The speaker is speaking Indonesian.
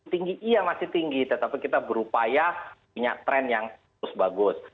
tinggi iya masih tinggi tetapi kita berupaya punya tren yang terus bagus